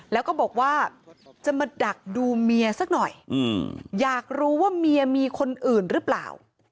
แล้วก็บอกว่าจะมาดักดูเมียสักหน่อยอยากรู้ว่าเมียมีคนอื่นหรือเปล่า